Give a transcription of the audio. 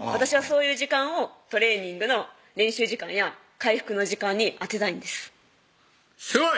私はそういう時間をトレーニングの練習時間や回復の時間に充てたいんですすごい！